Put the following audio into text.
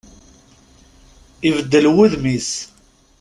Ibeddel wudem-is.